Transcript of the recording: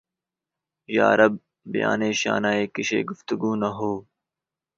یارب! بیانِ شانہ کشِ گفتگو نہ ہو!